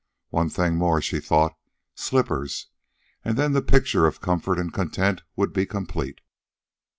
One thing more, she thought slippers; and then the picture of comfort and content would be complete.